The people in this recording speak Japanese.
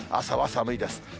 朝は寒いです。